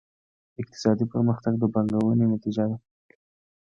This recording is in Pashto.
اقتصادي پرمختګ د پانګونې نتیجه ده.